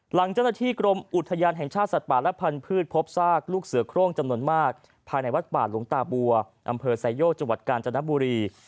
หลังเจ้าหน้าที่กรมอุทยานแห่งชาติสัตว์ป่าและพันธุ์พบซากลูกเสือโครงจำนวนมากภายในวัดป่าหลวงตาบัวอำเภอไซโยกจังหวัดกาญจนบุรี